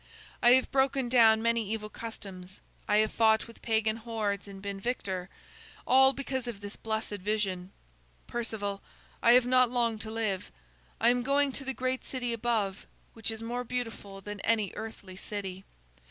I have broken down many evil customs. I have fought with pagan hordes and been victor, all because of this blessed vision. Perceval, I have not long to live. I am going to the great city above, which is more beautiful than any earthly city.